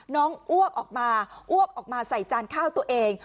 อ้วกออกมาอ้วกออกมาใส่จานข้าวตัวเอง